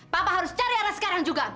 bapak harus cari arah sekarang juga